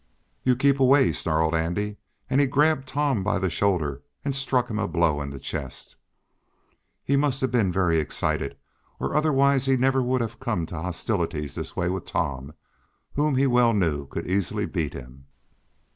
"You keep away!" snarled Andy, and he grabbed Tom by the shoulder and struck him a blow in the chest. He must have been very much excited, or otherwise he never would have come to hostilities this way with Tom, whom he well knew could easily beat him.